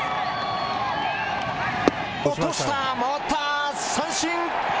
落とした、回った、三振。